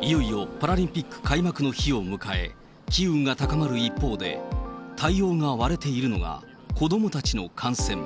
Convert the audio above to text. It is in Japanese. いよいよパラリンピック開幕の日を迎え、機運が高まる一方で、対応が割れているのが、子どもたちの観戦。